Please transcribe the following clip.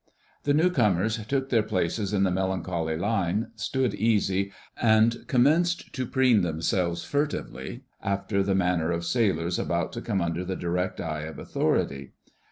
The new comers took their places in the melancholy line, stood easy, and commenced to preen themselves furtively, after the manner of sailors about to come under the direct eye of authority.